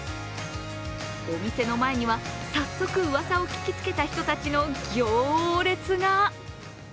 お店の前には早速うわさを聞きつけた人たちの行列が。